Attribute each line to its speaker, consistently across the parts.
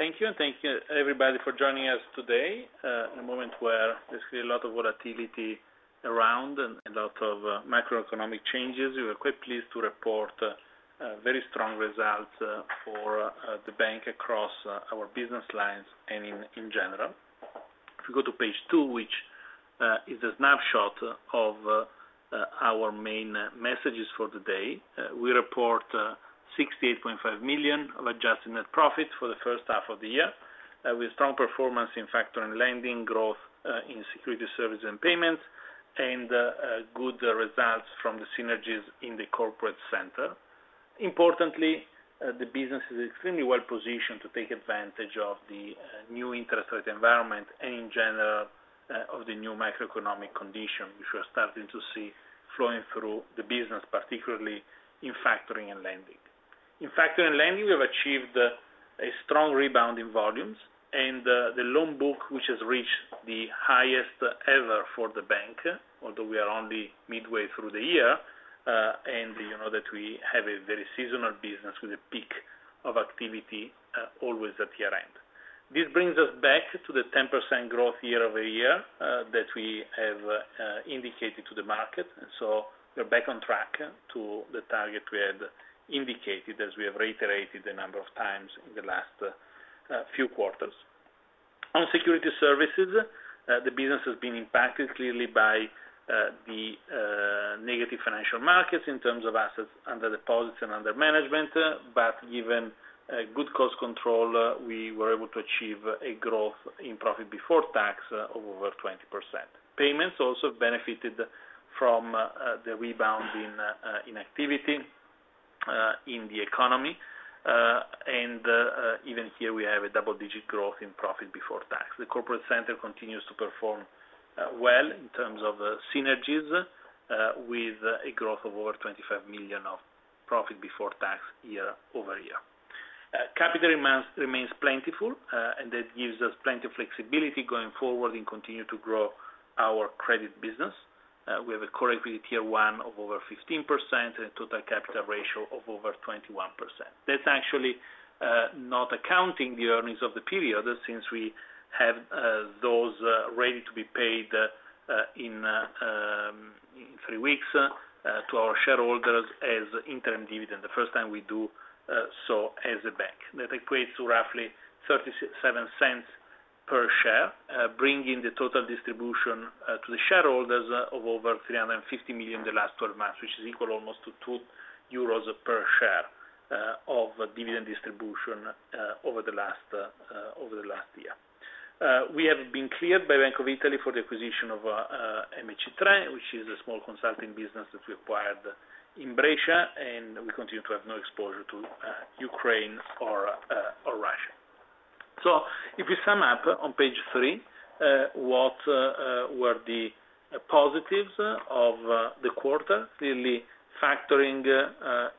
Speaker 1: Thank you, and thank you everybody for joining us today, in a moment where there's been a lot of volatility around and a lot of macroeconomic changes. We are quite pleased to report very strong results for the bank across our business lines and in general. If you go to Page two, which is a snapshot of our main messages for today, we report 68.5 million of adjusted net profits for the first half of the year, with strong performance in factoring and lending growth, in securities services and payments and good results from the synergies in the corporate center. Importantly, the business is extremely well positioned to take advantage of the new interest rate environment and in general of the new macroeconomic condition, which we're starting to see flowing through the business, particularly in factoring and lending. In factoring and lending, we have achieved a strong rebound in volumes and the loan book, which has reached the highest ever for the bank, although we are only midway through the year, and you know that we have a very seasonal business with a peak of activity always at year-end. This brings us back to the 10% growth year-over-year that we have indicated to the market. We're back on track to the target we had indicated as we have reiterated a number of times in the last few quarters. On Securities Services, the business has been impacted clearly by the negative financial markets in terms of assets under custody and under management, but given good cost control, we were able to achieve a growth in profit before tax of over 20%. Payments also benefited from the rebound in activity in the economy. Even here we have a double-digit growth in profit before tax. The corporate center continues to perform well in terms of synergies with a growth of over 25 million of profit before tax year-over-year. Capital remains plentiful, and that gives us plenty of flexibility going forward and continue to grow our credit business. We have a Core Equity Tier 1 of over 15% and Total Capital Ratio of over 21%. That's actually not accounting the earnings of the period, since we have those ready to be paid in three weeks to our shareholders as interim dividend. The first time we do so as a bank. That equates to roughly 37 cents per share, bringing the total distribution to the shareholders of over 350 million the last 12 months, which is equal almost to 2 euros per share of dividend distribution over the last year. We have been cleared by Bank of Italy for the acquisition of MC3 Informatica, which is a small consulting business that we acquired in Brescia, and we continue to have no exposure to Ukraine or Russia. If we sum up on page three, what were the positives of the quarter? Clearly, factoring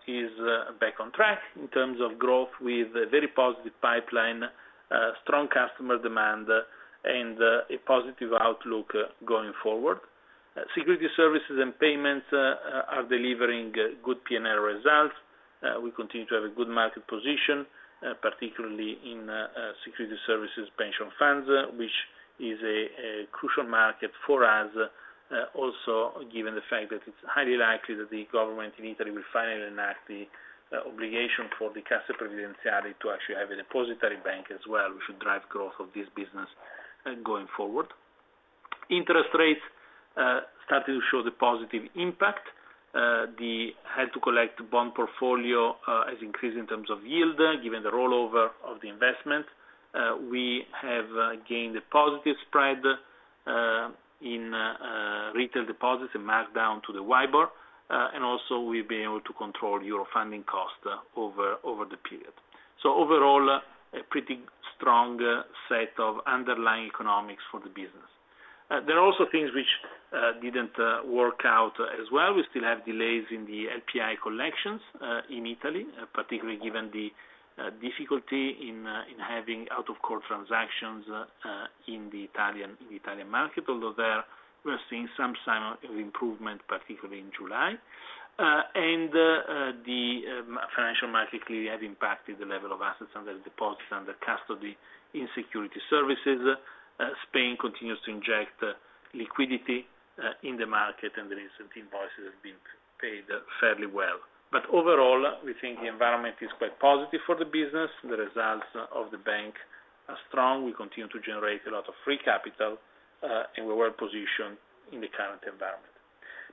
Speaker 1: is back on track in terms of growth with a very positive pipeline, strong customer demand and a positive outlook going forward. Securities Services and Payments are delivering good PNRR results. We continue to have a good market position, particularly in Securities Services, pension funds, which is a crucial market for us, also given the fact that it's highly likely that the government in Italy will finally enact the obligation for the Cassa Previdenziale to actually have a depository bank as well, which should drive growth of this business going forward. Interest rates started to show the positive impact. The hard to collect bond portfolio has increased in terms of yield given the rollover of the investment. We have gained a positive spread in retail deposits and marked down to the WIBOR, and also we've been able to control euro funding cost over the period. Overall, a pretty strong set of underlying economics for the business. There are also things which didn't work out as well. We still have delays in the LPI collections in Italy, particularly given the difficulty in having out of court transactions in the Italian market. Although there, we are seeing some sign of improvement, particularly in July. The financial market clearly has impacted the level of assets under custody in Securities Services. Spain continues to inject liquidity in the market and the recent invoices have been paid fairly well. Overall, we think the environment is quite positive for the business. The results of the bank are strong. We continue to generate a lot of free capital, and we're well positioned in the current environment.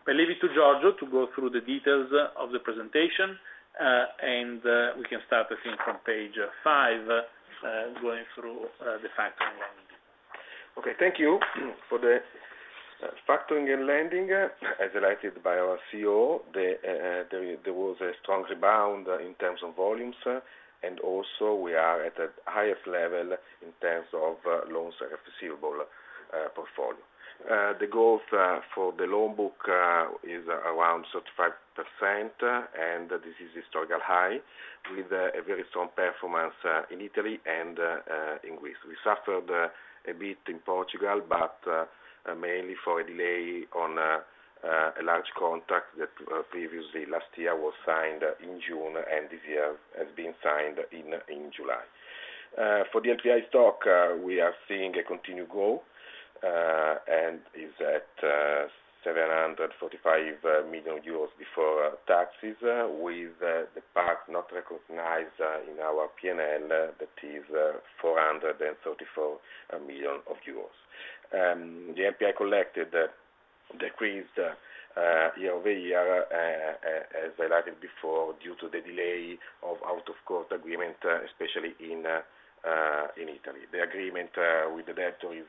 Speaker 1: I leave it to Giorgio to go through the details of the presentation, and we can start the thing from page five, going through the factoring and lending.
Speaker 2: Okay, thank you. For the factoring and lending, as highlighted by our CEO, there was a strong rebound in terms of volumes. Also we are at the highest level in terms of loans receivable portfolio. The growth for the loan book is around 35%, and this is historical high with a very strong performance in Italy and in Greece. We suffered a bit in Portugal, but mainly for a delay on a large contract that previously last year was signed in June, and this year has been signed in July. For the NPI stock, we are seeing a continued growth and is at 745 million euros before taxes with the part not recognized in our P&L that is 434 million euros. The NPI collected decreased year-over-year, as I highlighted before, due to the delay of out-of-court agreement, especially in Italy. The agreement with the debtor is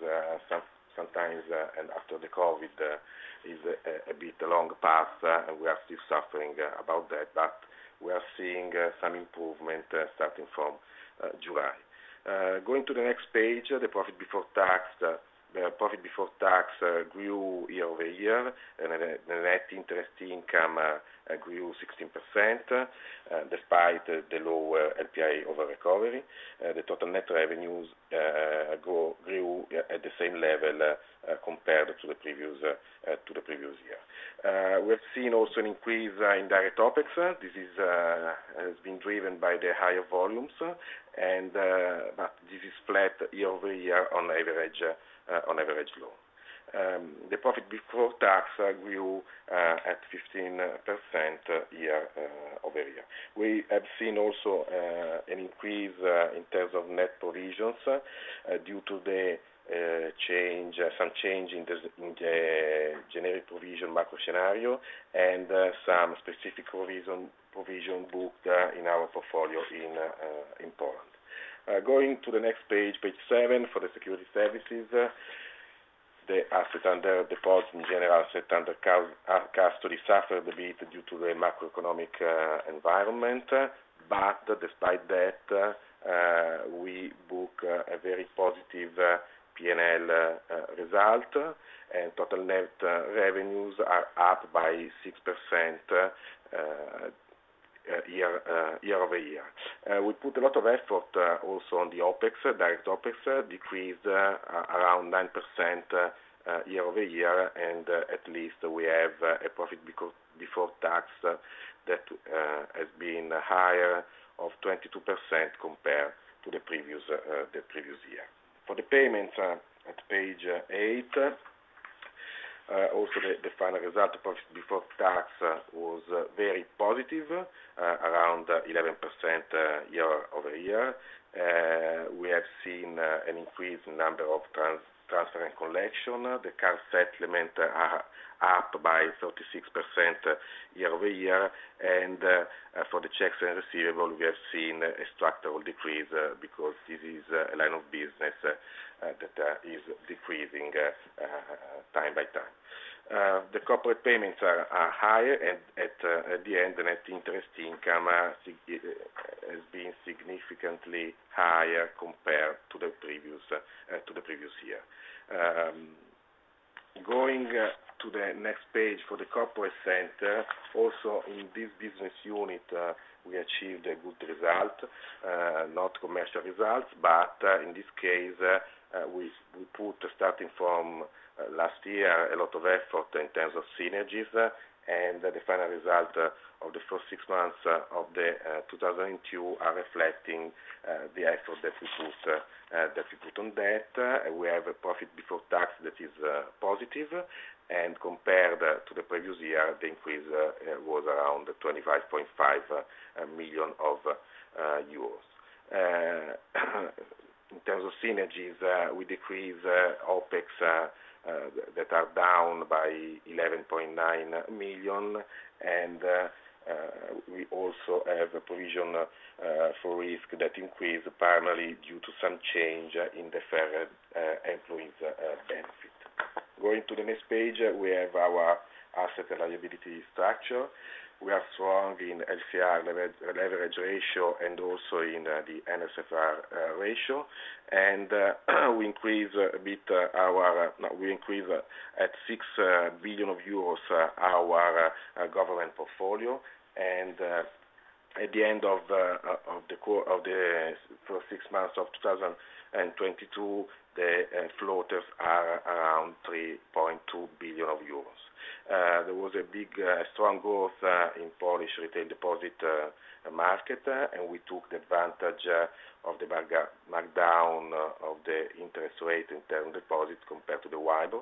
Speaker 2: sometimes, and after the COVID, is a bit long path, and we are still suffering about that, but we are seeing some improvement starting from July. Going to the next page, the profit before tax. The profit before tax grew year-over-year. The net interest income grew 16%, despite the lower NPI over recovery. The total net revenues grew at the same level compared to the previous year. We've seen also an increase in direct OpEx. This has been driven by the higher volumes, but this is flat year-over-year on average loan. The profit before tax grew at 15% year-over-year. We have seen also an increase in terms of net provisions due to some change in the generic provision macro scenario and some specific provision booked in our portfolio in Poland. Going to the next Page seven, for the securities services, the assets under custody, in general, suffered a bit due to the macroeconomic environment. Despite that, we book a very positive P&L result, and total net revenues are up by 6% year-over-year. We put a lot of effort also on the OpEx. Direct OpEx decreased around 9% year-over-year, and at least we have a profit before tax that has been higher of 22% compared to the previous year. For the payments, at page eight, also the final result, profit before tax, was very positive, around 11% year-over-year. We have seen an increase in number of transfer and collection. The card settlement are up by 36% year-over-year. For the checks and receivable, we have seen a structural decrease, because this is a line of business that is decreasing time by time. The corporate payments are higher. At the end, the net interest income has been significantly higher compared to the previous year. Going to the next page for the corporate center. Also in this business unit, we achieved a good result, not commercial results, but in this case, we put, starting from last year, a lot of effort in terms of synergies. The final result of the first six months of 2022 are reflecting the effort that we put on that. We have a profit before tax that is positive. Compared to the previous year, the increase was around 25.5 million euros. In terms of synergies, we decrease OpEx that are down by 11.9 million. We also have a provision for risk that increased primarily due to some change in the employee benefits. Going to the next page, we have our asset and liability structure. We are strong in LCR leverage ratio and also in the NSFR ratio. We increased our government portfolio to EUR 6 billion. At the end of the first six months of 2022, the floaters are around 3.2 billion euros. There was a strong growth in Polish retail deposit market, and we took advantage of the markdown of the interest rate in term deposits compared to the WIBOR.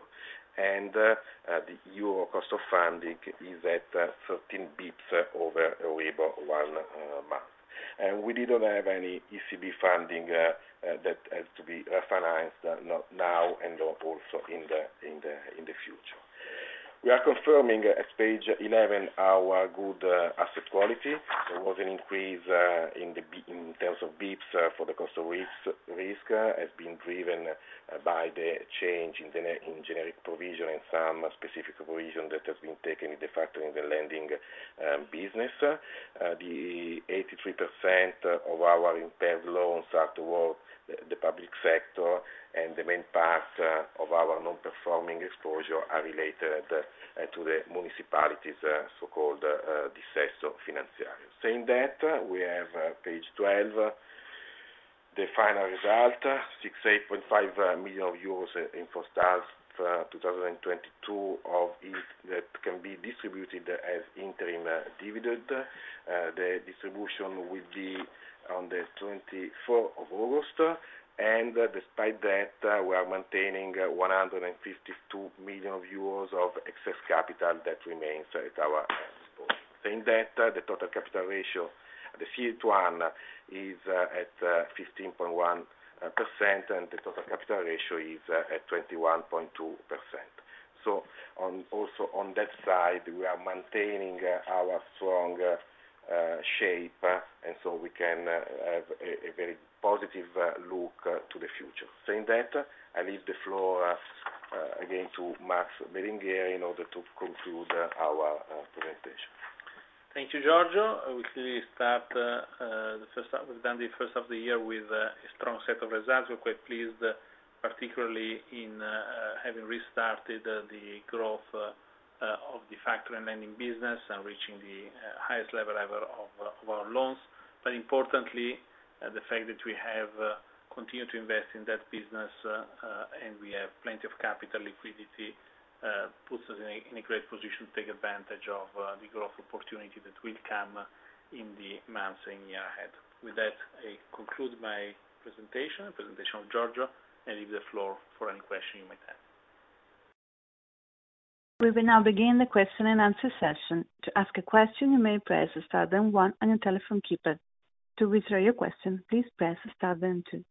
Speaker 2: The euro cost of funding is at 13 basis points over WIBOR one-month. We didn't have any ECB funding that has to be refinanced, not now and also in the future. We are confirming at page 11 our good asset quality. There was an increase in terms of basis points for the cost of risk. It has been driven by the change in generic provision and some specific provision that has been taken into account in the lending business. 83% of our impaired loans are toward the public sector. The main parts of our non-performing exposure are related to the municipalities, so-called dissesto finanziario. Saying that, we have page twelve, the final result, 68.5 million euros in first half of 2022 of it that can be distributed as interim dividend. The distribution will be on the 24th of August. Despite that, we are maintaining 152 million euros of excess capital that remains at our disposal. In that, the total capital ratio, the CET1 is at 15.1%, and the total capital ratio is at 21.2%. On, also on that side, we are maintaining our strong shape, and so we can have a very positive look to the future. Saying that, I leave the floor again to Max Belingheri in order to conclude our presentation.
Speaker 1: Thank you, Giorgio. I will clearly start the first half. We've done the first half of the year with a strong set of results. We're quite pleased, particularly in having restarted the growth of the factoring and lending business and reaching the highest level ever of our loans. Importantly, the fact that we have continued to invest in that business and we have plenty of capital and liquidity puts us in a great position to take advantage of the growth opportunity that will come in the months and year ahead. With that, I conclude my presentation of Giorgio, and leave the floor for any question you might have.
Speaker 3: We will now begin the question-and-answer session. To ask a question, you may press star then one on your telephone keypad. To withdraw your question, please press star then two.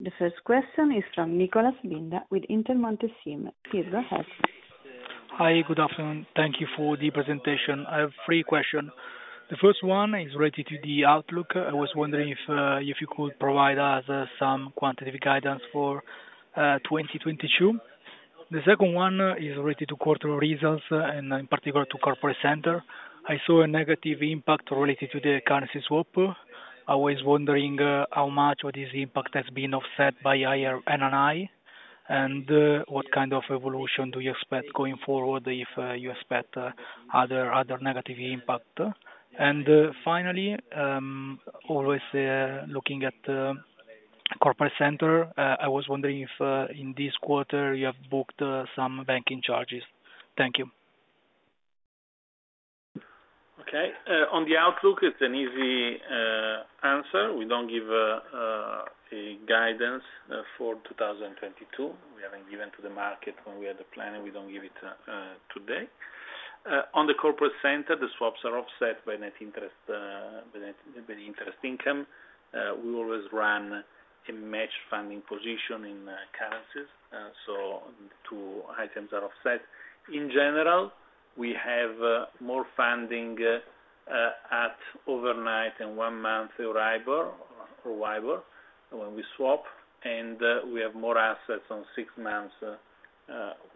Speaker 3: The first question is from Nicolò Nunziata with Intermonte SIM. Please go ahead.
Speaker 4: Hi, good afternoon. Thank you for the presentation. I have three question. The first one is related to the outlook. I was wondering if you could provide us some quantitative guidance for 2022. The second one is related to quarter results and in particular to corporate center. I saw a negative impact related to the currency swap. I was wondering how much of this impact has been offset by higher NII. What kind of evolution do you expect going forward if you expect other negative impact? Finally, always looking at corporate center, I was wondering if in this quarter you have booked some banking charges. Thank you.
Speaker 1: Okay. On the outlook, it's an easy answer. We don't give a guidance for 2022. We haven't given to the market when we had the plan, and we don't give it today. On the corporate center, the swaps are offset by net interest income. We always run a matched funding position in currencies, so two items are offset. In general, we have more funding at overnight and one month EURIBOR or WIBOR when we swap, and we have more assets on six months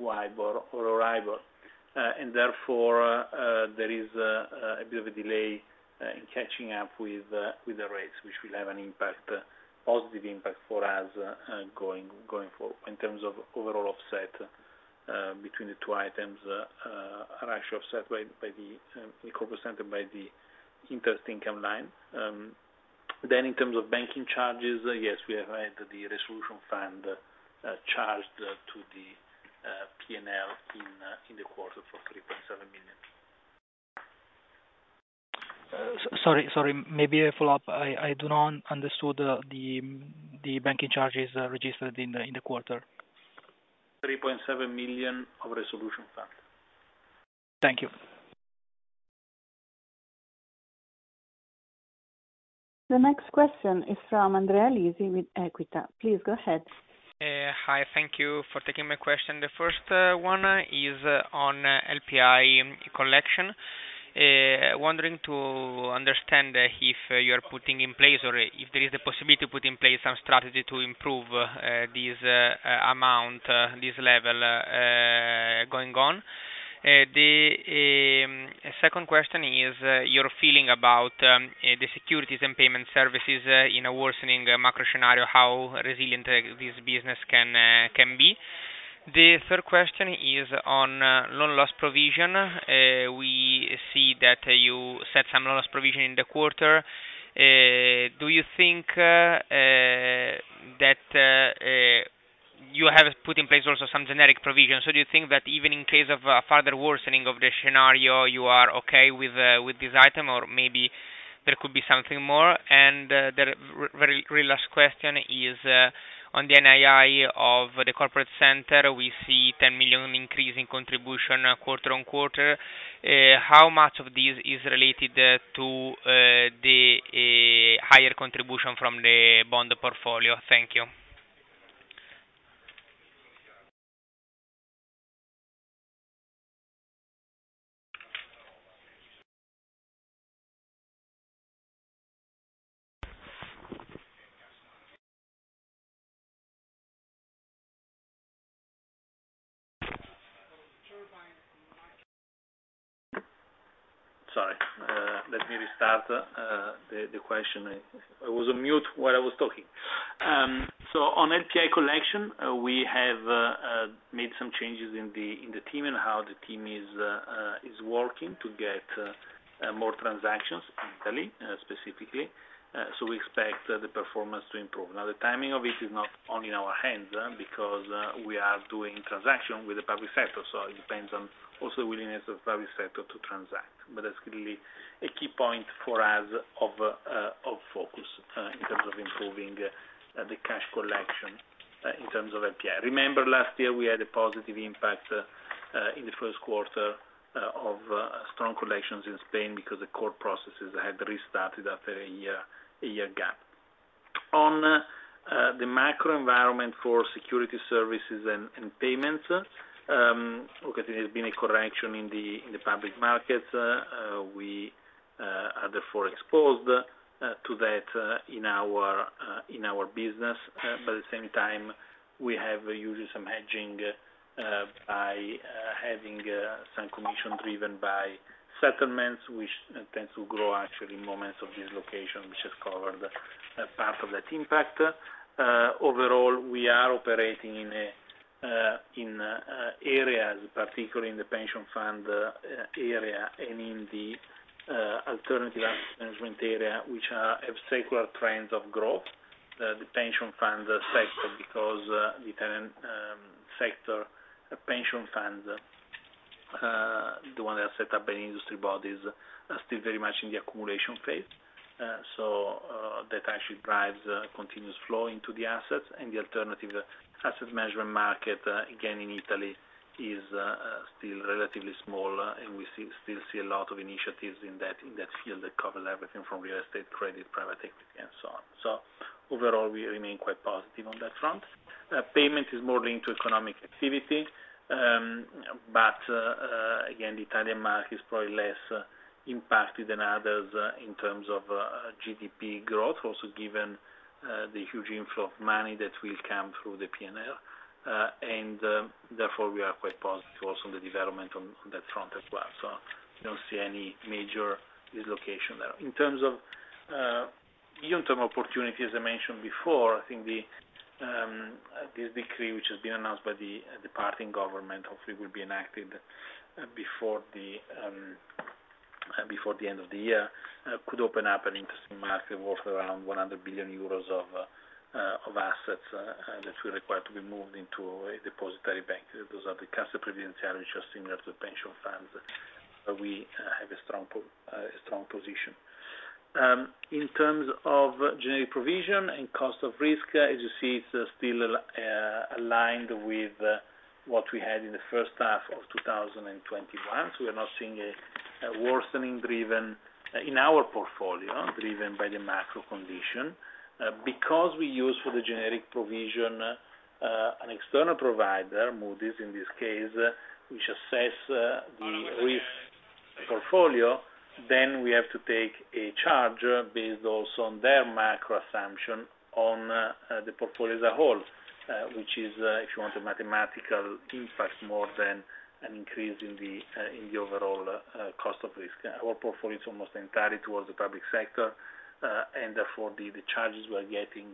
Speaker 1: WIBOR or EURIBOR. Therefore, there is a bit of a delay in catching up with the rates, which will have a positive impact for us going forward. In terms of overall offset between the two items, are actually offset by the corporate center by the interest income line. In terms of banking charges, yes, we have had the Resolution Fund charged to the P&L in the quarter for 3.7 million.
Speaker 4: Sorry. Maybe a follow-up. I do not understand the banking charges registered in the quarter.
Speaker 1: 3.7 million of Resolution Fund.
Speaker 4: Thank you.
Speaker 3: The next question is from Andrea Lisi with Equita. Please go ahead.
Speaker 5: Hi. Thank you for taking my question. The first one is on LPI collection. Wondering to understand if you are putting in place or if there is a possibility to put in place some strategy to improve this amount, this level, going on. The second question is your feeling about the securities and payment services in a worsening macro scenario, how resilient this business can be. The third question is on loan loss provision. We see that you set some loan loss provision in the quarter. Do you think that you have put in place also some generic provisions, or do you think that even in case of a further worsening of the scenario, you are okay with this item, or maybe there could be something more? The very last question is on the NII of the corporate center. We see 10 million increase in contribution quarter-on-quarter. How much of this is related to the higher contribution from the bond portfolio? Thank you.
Speaker 1: Sorry. Let me restart the question. I was on mute while I was talking. On NPI collection, we have made some changes in the team and how the team is working to get more transactions in Italy, specifically. We expect the performance to improve. Now, the timing of it is not only in our hands, because we are doing transaction with the public sector. It depends on also willingness of public sector to transact. That's clearly a key point for us of focus in terms of improving the cash collection in terms of NPI. Remember last year, we had a positive impact in the first quarter of strong collections in Spain because the court processes had restarted after a year gap. On the macro environment for Securities Services and Payments, there has been a correction in the public markets. We are therefore exposed to that in our business. But at the same time, we have used some hedging by having some commission driven by settlements, which tends to grow actually in moments of dislocation, which has covered a part of that impact. Overall, we are operating in areas, particularly in the pension fund area and in the alternative asset management area, which have secular trends of growth. The pension fund sector, pension funds, the one that are set up by industry bodies are still very much in the accumulation phase. That actually drives continuous flow into the assets. The alternative asset management market, again, in Italy is still relatively small, and we still see a lot of initiatives in that field that cover everything from real estate, credit, private equity, and so on. Overall, we remain quite positive on that front. Payments is more linked to economic activity. Again, the Italian market is probably less impacted than others in terms of GDP growth. Also, given the huge inflow of money that will come through the PNRR. Therefore, we are quite positive also on the development on that front as well. We don't see any major dislocation there. In terms of medium-term opportunities, as I mentioned before, I think this decree, which has been announced by the departing government, hopefully, will be enacted before the end of the year. It could open up an interesting market worth around 100 billion euros of assets that will require to be moved into a depository bank. Those are the Cassa Previdenziale, which are similar to pension funds. We have a strong position. In terms of general provision and cost of risk, as you see, it's still aligned with what we had in the first half of 2021. We are not seeing a worsening driven in our portfolio by the macro condition. Because we use for the general provision an external provider, Moody's in this case, which assess the risk portfolio, then we have to take a charge based also on their macro assumption on the portfolio as a whole. Which is, if you want, a mathematical impact more than an increase in the overall cost of risk. Our portfolio is almost entirely toward the public sector, and therefore the charges we are getting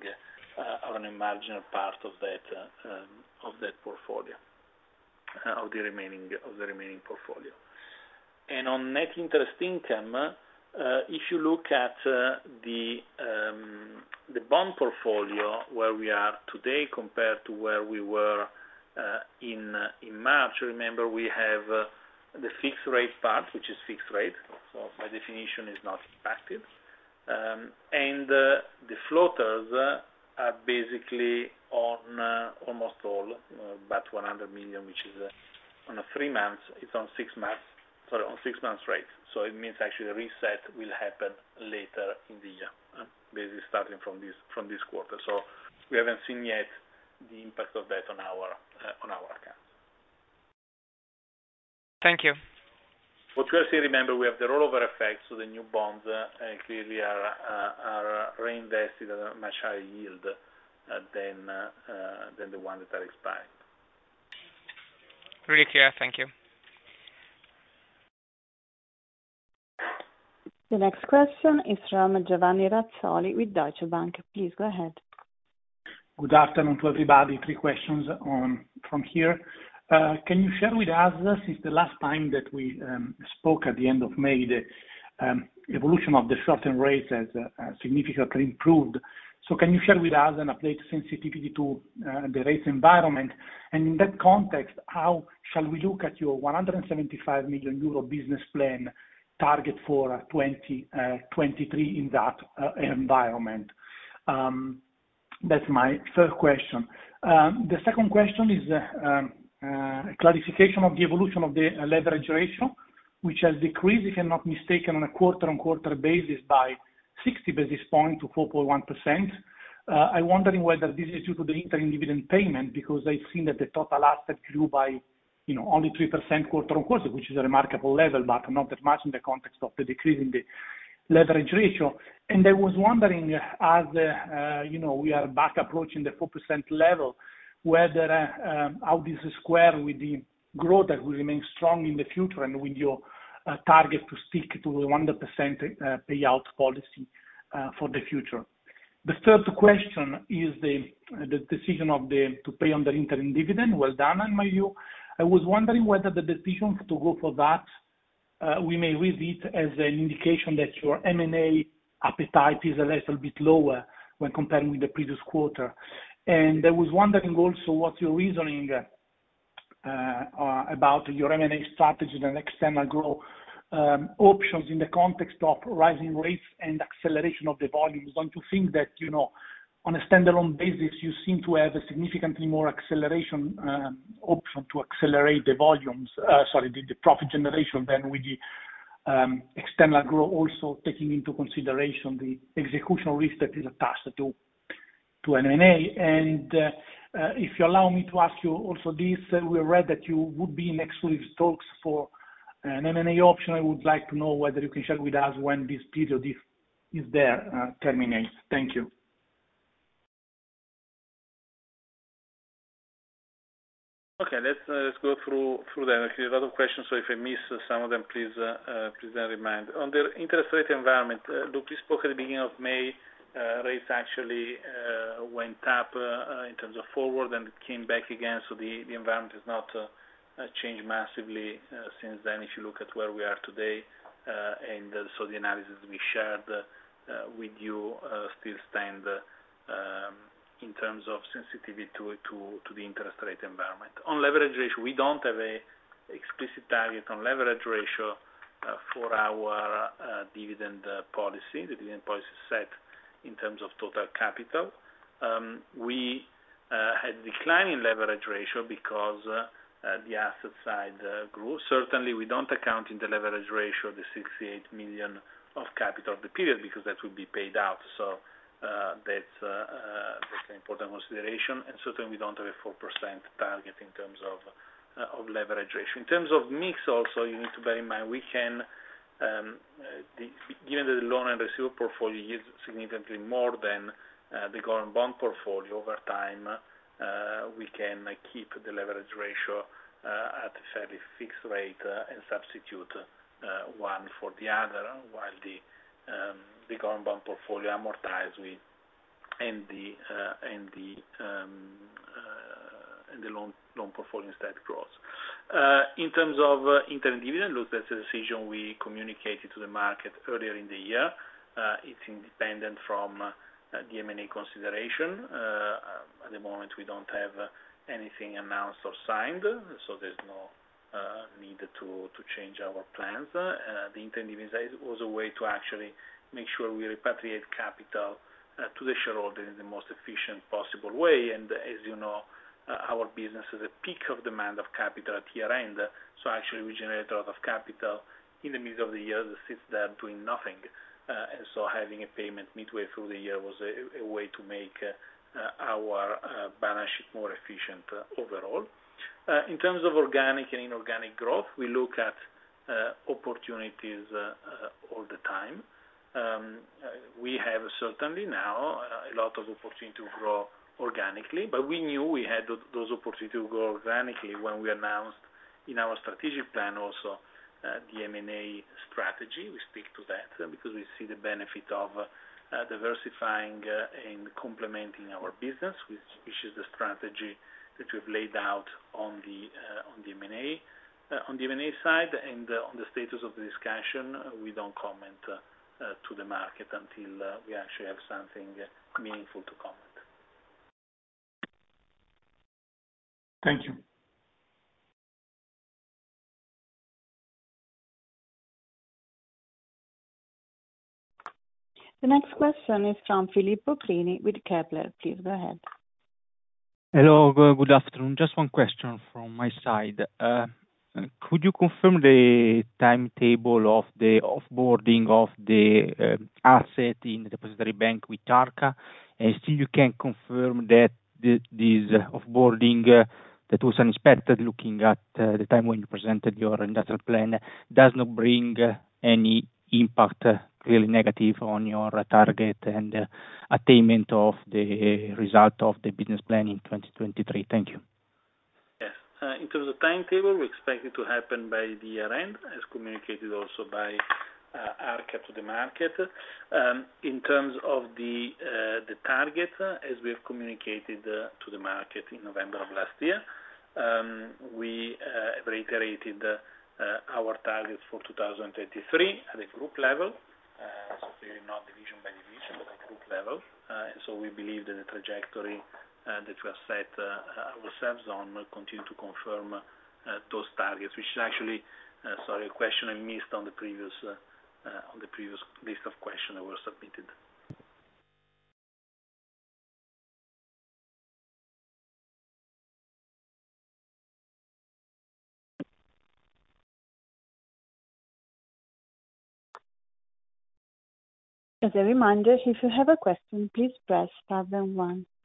Speaker 1: are an immaterial part of that portfolio of the remaining portfolio. On net interest income, if you look at the bond portfolio, where we are today compared to where we were in March, remember we have the fixed rate part, which is fixed rate. So by definition is not impacted. The floaters are basically on almost all, about 100 million, which is on a three months. It's on six months, sorry, on six months rate. So it means actually the reset will happen later in the year, basically starting from this quarter. So we haven't seen yet the impact of that on our accounts.
Speaker 5: Thank you.
Speaker 1: What we are seeing, remember, we have the rollover effect, so the new bonds clearly are reinvested at a much higher yield than the one that are expired.
Speaker 5: Really clear. Thank you.
Speaker 3: The next question is from Giovanni Razzoli with Deutsche Bank. Please go ahead.
Speaker 6: Good afternoon to everybody. Three questions from here. Can you share with us since the last time that we spoke at the end of May, the evolution of the short-term rates has significantly improved. Can you share with us an updated sensitivity to the rate environment? In that context, how shall we look at your 175 million euro business plan target for 2023 in that environment? That's my first question. The second question is clarification of the evolution of the leverage ratio, which has decreased, if I'm not mistaken, on a quarter-on-quarter basis by 60 basis points to 4.1%. I'm wondering whether this is due to the interim dividend payment, because I've seen that the total asset grew by, you know, only 3% quarter-over-quarter, which is a remarkable level, but not that much in the context of the decrease in the leverage ratio. I was wondering as, you know, we are back approaching the 4% level, whether how this square with the growth that will remain strong in the future and with your target to stick to a 100% payout policy for the future. The third question is the decision to pay an interim dividend. Well done, in my view. I was wondering whether the decision to go for that we may read it as an indication that your M&A appetite is a little bit lower when comparing with the previous quarter. I was wondering also what your reasoning about your M&A strategy and external growth options in the context of rising rates and acceleration of the volumes. One would think that, you know, on a standalone basis, you seem to have a significantly more acceleration option to accelerate the volumes. Sorry, the profit generation than with the external growth also taking into consideration the executional risk that is attached to M&A. If you allow me to ask you also this, we read that you would be in exclusive talks for an M&A option. I would like to know whether you can share with us when this period, if there is, terminates. Thank you.
Speaker 1: Okay. Let's go through them. Actually a lot of questions, so if I miss some of them, please remind. On the interest rate environment, look, we spoke at the beginning of May, rates actually went up, in terms of forward, and it came back again. The environment has not changed massively, since then, if you look at where we are today. The analysis we shared with you still stand in terms of sensitivity to the interest rate environment. On leverage ratio, we don't have an explicit target on leverage ratio for our dividend policy. The dividend policy is set in terms of total capital. We had declining leverage ratio because the asset side grew. Certainly we don't account for the 68 million of capital of the period in the leverage ratio, because that will be paid out. That's an important consideration. Certainly we don't have a 4% target in terms of leverage ratio. In terms of mix, also, you need to bear in mind. Given that the loan and receivable portfolio yields significantly more than the government bond portfolio over time, we can keep the leverage ratio at a fairly fixed rate and substitute one for the other, while the government bond portfolio amortizes and the loan portfolio instead grows. In terms of interim dividend, look, that's a decision we communicated to the market earlier in the year. It's independent from the M&A consideration. At the moment, we don't have anything announced or signed, so there's no need to change our plans. The interim dividend was a way to actually make sure we repatriate capital to the shareholder in the most efficient possible way. As you know, our business is a peak of demand of capital at year-end. Actually we generate a lot of capital in the middle of the year that sits there doing nothing. Having a payment midway through the year was a way to make our balance sheet more efficient overall. In terms of organic and inorganic growth, we look at opportunities all the time. We have certainly now a lot of opportunity to grow organically, but we knew we had those opportunity to grow organically when we announced in our strategic plan also, the M&A strategy. We speak to that because we see the benefit of, diversifying and complementing our business, which is the strategy that we've laid out on the M&A side. On the status of the discussion, we don't comment to the market until we actually have something meaningful to comment.
Speaker 6: Thank you.
Speaker 3: The next question is from Filippo Crini with Kepler. Please go ahead.
Speaker 7: Hello. Good afternoon. Just one question from my side. Could you confirm the timetable of the off-boarding of the asset in the depository bank with Arca? Still you can confirm that this off-boarding that was unexpected, looking at the time when you presented your industrial plan, does not bring any impact, really negative, on your target and attainment of the result of the business plan in 2023. Thank you.
Speaker 1: Yes. In terms of timetable, we expect it to happen by the year-end, as communicated also by Arca to the market. In terms of the target, as we have communicated to the market in November of last year, we reiterated our targets for 2033 at a group level. Clearly not division by division, but group level. We believe that the trajectory that we have set ourselves on will continue to confirm those targets, which is actually. Sorry, a question I missed on the previous list of questions that were submitted.
Speaker 3: As a reminder, if you have a question, please press star then one. The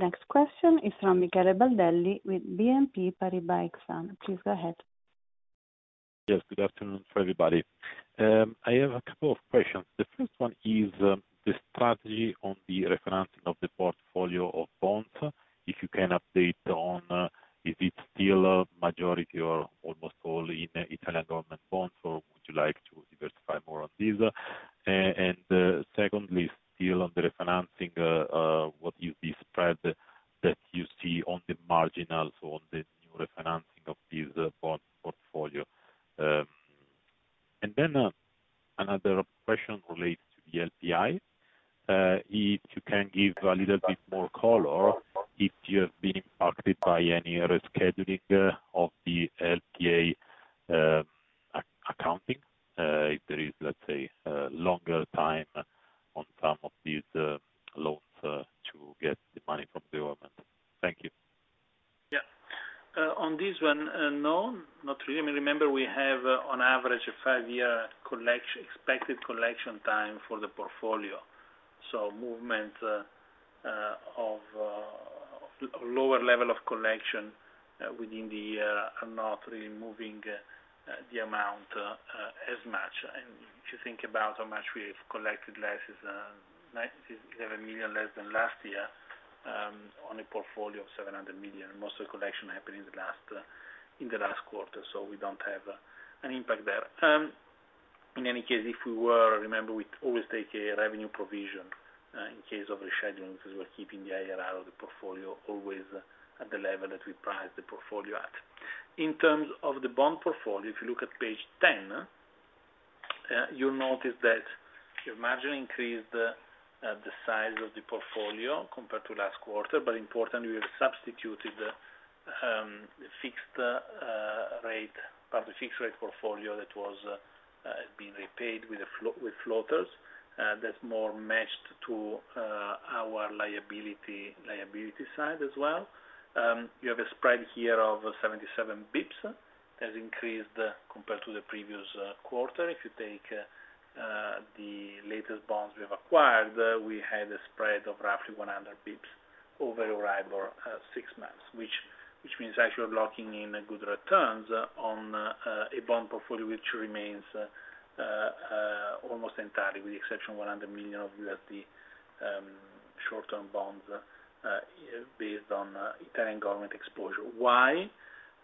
Speaker 3: next question is from Michele Baldelli with BNP Paribas Exane. Please go ahead.
Speaker 8: Yes, good afternoon to everybody. I have a couple of questions. The first one is the strategy on the refinancing of the portfolio of bonds.
Speaker 1: In any case, if we were, remember, we always take a revenue provision in case of reschedulings, because we're keeping the IRR of the portfolio always at the level that we price the portfolio at. In terms of the bond portfolio, if you look at Page 10, you'll notice that your margin increased, the size of the portfolio compared to last quarter. Importantly, we have substituted fixed rate part of the fixed rate portfolio that was being repaid with floaters that's more matched to our liability side as well. You have a spread here of 77 bps that increased compared to the previous quarter. If you take the latest bonds we have acquired, we had a spread of roughly 100 basis points over EURIBOR six months, which means actually we're locking in good returns on a bond portfolio, which remains almost entirely with the exception of $100 million of USD short-term bonds based on Italian government exposure. Why?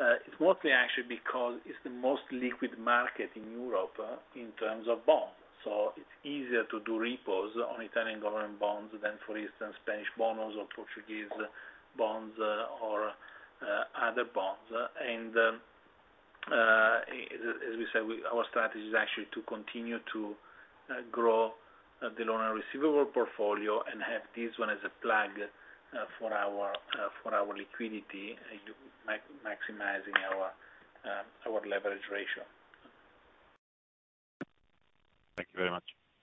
Speaker 1: It's mostly actually because it's the most liquid market in Europe in terms of bonds. It's easier to do repos on Italian government bonds than, for instance, Spanish Bonos or Portuguese bonds or other bonds. As we said, our strategy is actually to continue to grow the loan and receivable portfolio and have this one as a plug for our liquidity, maximizing our leverage ratio.
Speaker 8: Thank you very much.